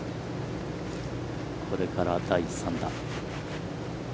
これから第３打。